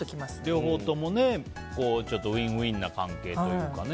両方ともウィンウィンな関係というかね。